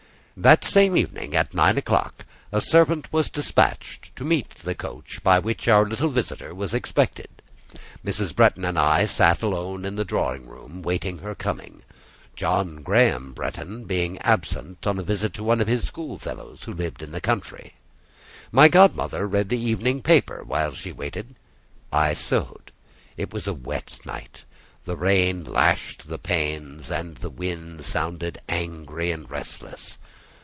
That same evening at nine o'clock, a servant was despatched to meet the coach by which our little visitor was expected. Mrs. Bretton and I sat alone in the drawing room waiting her coming; John Graham Bretton being absent on a visit to one of his schoolfellows who lived in the country. My godmother read the evening paper while she waited; I sewed. It was a wet night; the rain lashed the panes, and the wind sounded angry and restless.